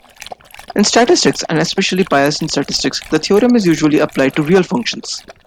In statistics, and especially Bayesian statistics, the theorem is usually applied to real functions.